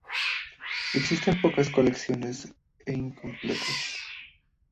Existen pocas colecciones e incompletas.